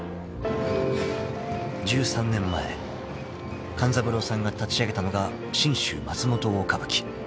［１３年前勘三郎さんが立ち上げたのが信州まつもと大歌舞伎］